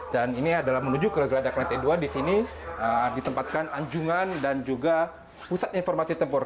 dan ini adalah menuju ke geladak lantai dua di sini ditempatkan anjungan dan juga pusat informasi tempur